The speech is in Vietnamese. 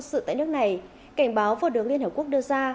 các quân sự tại nước này cảnh báo vô đường liên hợp quốc đưa ra